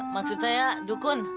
maksud saya dukun